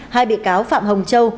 hai bị cáo phạm hồng châu